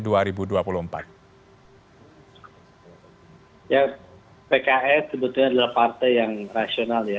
ya pks sebetulnya adalah partai yang rasional ya